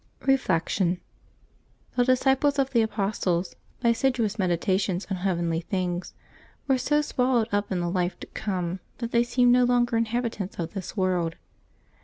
Reflection. — The disciples of the apostles, by assiduous meditation on heavenly things, were so swallowed up in the life to come, that they seemed no longer inhabitants of this world.